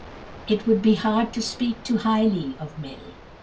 It would be hard to speak too highly of Mill.